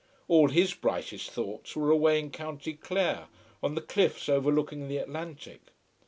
All his brightest thoughts were away in County Clare, on the cliffs overlooking the Atlantic.